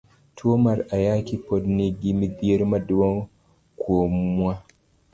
Tuo mara ayaki pod nigi mithiero maduong' kuomwa.